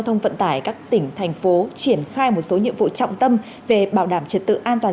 thông vận tải các tỉnh thành phố triển khai một số nhiệm vụ trọng tâm về bảo đảm trật tự an toàn